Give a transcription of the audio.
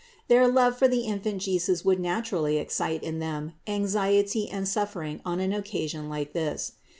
Their love for the Infant Jesus would naturally excite in them anxiety and suffering on an occasion like this.